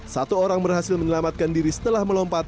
satu orang berhasil menyelamatkan diri setelah melompat